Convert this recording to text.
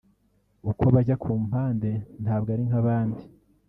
uko bajya ku mpande ntabwo ari nk’abandi